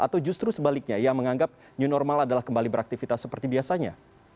atau justru sebaliknya yang menganggap new normal adalah kembali beraktivitas seperti biasanya